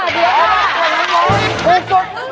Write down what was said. เดี๋ยวค่ะ